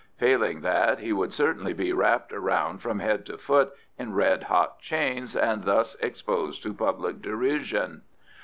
Failing that, he would certainly be wrapped round from head to foot in red hot chains, and thus exposed to public derision."